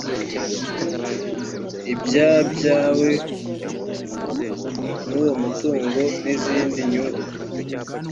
ibyabyawe n uwo mutungo n izindi nyungu